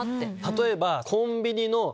例えば。